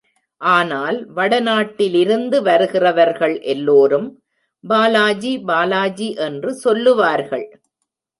ஆனால் வடநாட்டிலிருந்து வருகிறவர்கள் எல்லோரும், பாலாஜி, பாலாஜி என்று சொல்லுவார்கள்.